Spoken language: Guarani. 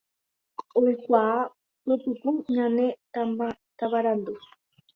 Oikuaa pypuku ñane tavarandu